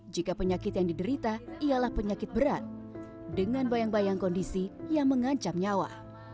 jika penyakit yang diderita ialah penyakit berat dengan bayang bayang kondisi yang mengancam nyawa